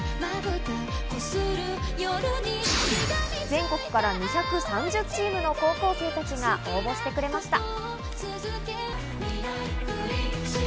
全国から２３０チームの高校生たちが応募してくれました。